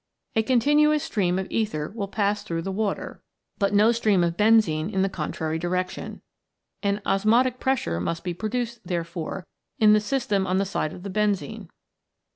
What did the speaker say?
A continuous stream of ether will pass through the water, but no stream 45 CHEMICAL PHENOMENA IN LIFE of benzene in the contrary direction. An osmotic pressure must be produced, therefore, in the system on the side of the benzene.